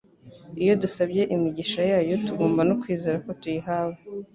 Iyo dusabye imigisha yayo, tugomba no kwizera ko tuyihawe,